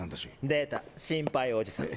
出た心配おじさん。